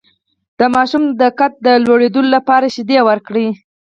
د ماشوم د قد د لوړیدو لپاره شیدې ورکړئ